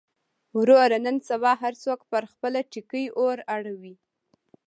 وروره نن سبا هر څوک پر خپله ټکۍ اور اړوي.